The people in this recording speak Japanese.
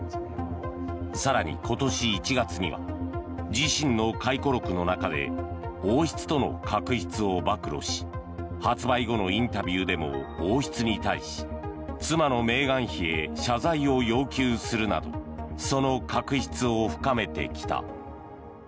更に、今年１月には自身の回顧録の中で王室との確執を暴露し発売後のインタビューでも王室に対し妻のメーガン妃へ謝罪を要求するなどその確執を深めてきた。